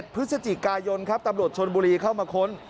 พฤศจิกายนครับตำรวจชนบุรีเข้ามาค้น